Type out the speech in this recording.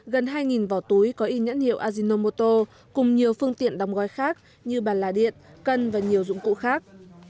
gần hai vỏ túi có in nhãn hiệu azinomoto cùng nhiều phương tiện đóng gói khác như bàn là điện cân và nhiều dụng cụ khác